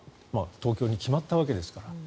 東京に決まったわけですから。